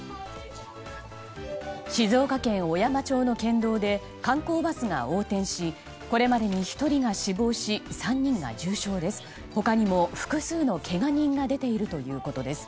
静岡県小山町の県道で観光バスが横転しこれまでに１人が死亡し３人が重傷です。